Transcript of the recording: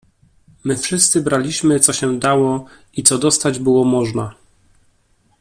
"My wszyscy braliśmy co się dało i co dostać było można."